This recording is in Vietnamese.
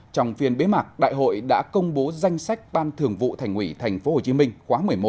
trong phiên bế mạc đại hội đã công bố danh sách ban thường vụ thành ủy tp hcm khóa một mươi một